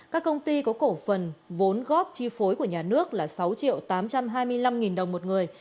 các công ty có cổ phần vốn góp chi phối của nhà nước là sáu triệu tám trăm hai mươi năm nghìn đồng một người